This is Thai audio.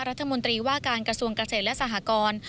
รัฐมนตรีว่าการกระทรวงเกษตรและสหกร